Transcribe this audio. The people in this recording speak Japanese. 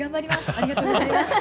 ありがとうございます。